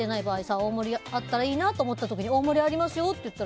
大盛りあったらいいなと思ってありますよって言われたら。